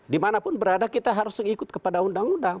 dimanapun berada kita harus ikut kepada undang undang